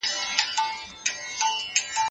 د ټولني هر غړی باید په ارامۍ کي ژوند وکړي.